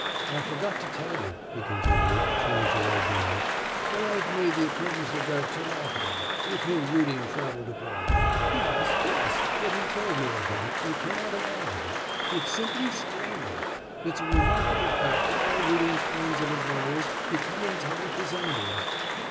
I forgot to tell you,' he continued, turning to Lezhnyov, 'that I have made the acquaintance of that Terlahov, with whom Rudin travelled abroad. Yes! Yes! What he told me of him, you cannot imagine it's simply screaming! It's a remarkable fact that all Rudin's friends and admirers become in time his enemies.